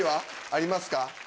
あります。